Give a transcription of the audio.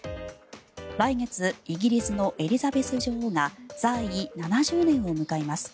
来月イギリスのエリザベス女王が在位７０年を迎えます。